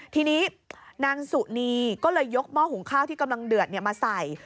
ทีนี้นางสุนีก็เลยยกหม้อหุงข้าวที่กำลังเดือดมาใส่